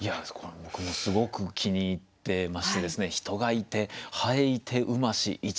僕もすごく気に入ってまして「人がゐて蠅ゐてうまし市場飯」。